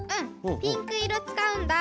ピンクいろつかうんだ。